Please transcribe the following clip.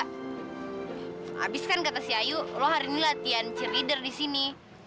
habiskan kata si ayu lo hari ini latihan cheerleader di sini